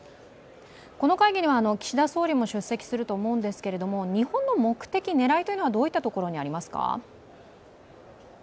この会議には岸田総理も出席すると思うんですけれども、日本の目的、狙いはどういったところにありますか？